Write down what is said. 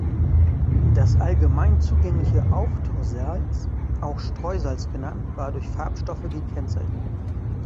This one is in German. Das allgemein zugängliche Auftausalz, auch Streusalz genannt, war durch Farbstoffe gekennzeichnet.